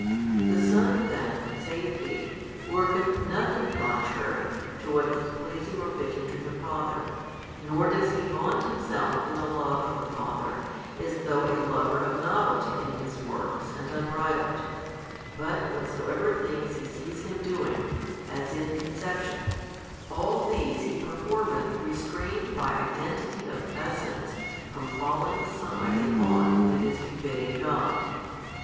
The Son then (saith He) worketh nothing contrary to what is pleasing or fitting to the Father, nor does He vaunt Himself in the love of the Father, as though a lover of novelty in His works and unbridled, but whatsoever things He sees Him doing, as in conception, all these He performeth restrained by Identity of Essence from falling aside in ought that is befitting God.